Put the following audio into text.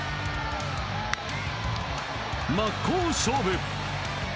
真っ向勝負。